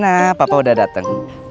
rena papa udah dateng